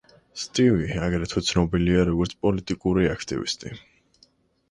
სტივი აგრეთვე ცნობილია, როგორც პოლიტიკური აქტივისტი.